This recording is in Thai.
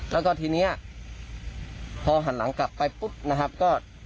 แล้วก็ทีนี้พอหันหลังกลับไปปุ๊บนะครับก็